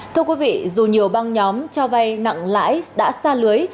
thưa quý vị dù nhiều băng nhóm cho vay nặng lãi đã xa lưới